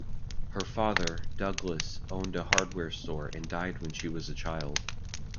Her father, Douglas, owned a hardware store and died when she was a child.